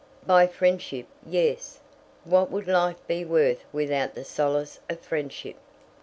"By friendship, yes. What would life be worth without the solace of friendship?"